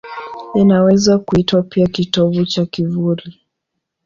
Inaweza kuitwa pia kitovu cha kivuli.